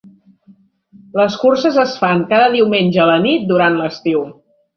Les curses es fan cada diumenge a la nit durant l'estiu.